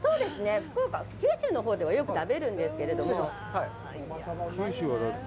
福岡、九州のほうではよく食べるんですけれども。